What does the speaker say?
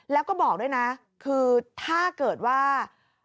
แล้วก็บอกด้วยนะคือถ้าเกิดว่า